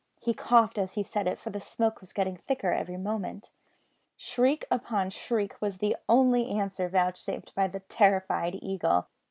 He coughed as he said it, for the smoke was getting thicker every moment. Shriek upon shriek was the only answer vouchsafed by the terrified Eagle.